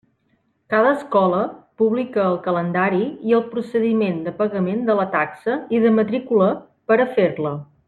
Cada escola publica el calendari i el procediment de pagament de la taxa i de matrícula per a fer-la.